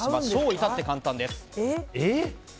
至って簡単です。